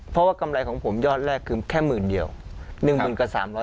เพราะว่ากำไรของผมยอดแรกคือแค่๑๐๐๐๐เดียวนึงกัน